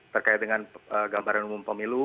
terkait dengan gambaran umum pemilu